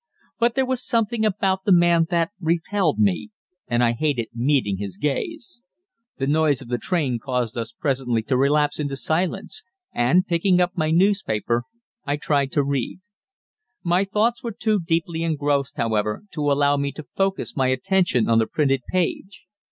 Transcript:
But there was something about the man that repelled me, and I hated meeting his gaze. The noise of the train caused us presently to relapse into silence, and, picking up my newspaper, I tried to read. My thoughts were too deeply engrossed, however, to allow me to focus my attention on the printed page.